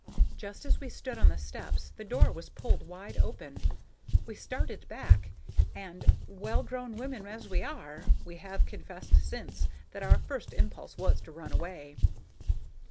Just as we stood on the steps the door was pulled wide open; we started back, and, well grown young women as we are, we have confessed since that our first impulse was to run away.